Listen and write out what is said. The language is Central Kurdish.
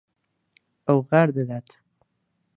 ئەو غار دەدات.